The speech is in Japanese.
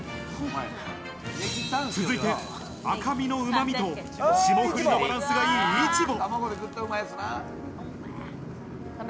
続いて赤みのうまみと霜降りのバランスがいいイチボ。